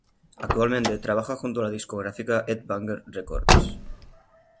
Actualmente, trabaja junto a la discográfica Ed Banger Records.